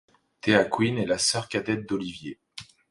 Thea Queen est la sœur cadette d'Oliver.